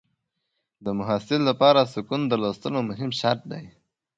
د محصل لپاره سکون د لوستلو مهم شرط دی.